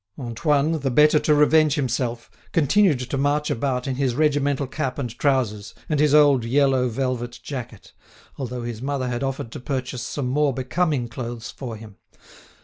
Antoine, the better to revenge himself, continued to march about in his regimental cap and trousers and his old yellow velvet jacket, although his mother had offered to purchase some more becoming clothes for him.